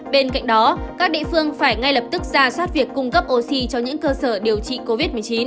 bên cạnh đó các địa phương phải ngay lập tức ra soát việc cung cấp oxy cho những cơ sở điều trị covid một mươi chín